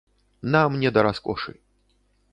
Нам не да раскошы.